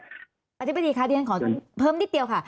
อาจารย์ประดิษฐ์ค่ะดิฉันขอเพิ่มนิดเดียวค่ะ